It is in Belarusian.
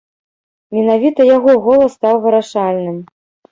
Менавіта яго голас стаў вырашальным.